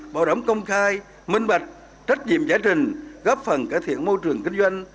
bảo đảm công khai minh bạch trách nhiệm giải trình góp phần cải thiện môi trường kinh doanh